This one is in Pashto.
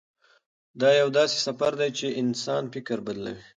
دا یو داسې سفر دی چې د انسان فکر بدلوي.